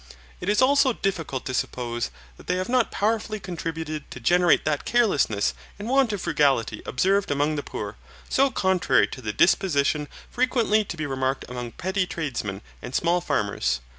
It is also difficult to suppose that they have not powerfully contributed to generate that carelessness and want of frugality observable among the poor, so contrary to the disposition frequently to be remarked among petty tradesmen and small farmers.